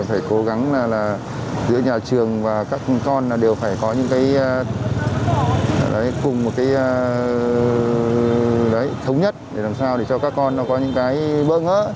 phải cố gắng là giữa nhà trường và các con đều phải có những cái cùng một cái thống nhất để làm sao để cho các con nó có những cái bỡ ngỡ